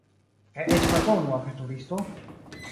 Kaj eĉ, pardonu, aventuristo.